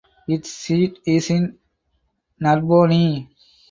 Its seat is in Narbonne.